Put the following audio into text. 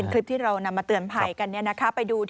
เป็นคลิปที่เรานำมาเตือนภัยกันนี้นะครับ